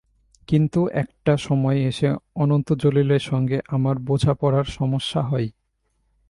কিন্তু একটা সময় এসে অনন্ত জলিলের সঙ্গে আমার বোঝাপড়ার সমস্যা হয়।